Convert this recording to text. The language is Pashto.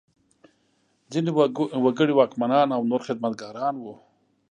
ځینې وګړي واکمنان او نور خدمتګاران وو.